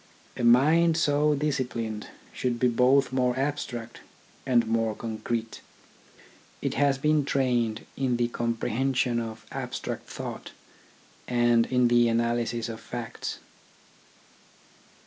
A mind so disciplined should be both more abstract and more concrete. It has been trained in the comprehension of abstract thought and in the analysis of facts.